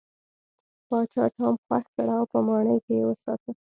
پاچا ټام خوښ کړ او په ماڼۍ کې یې وساته.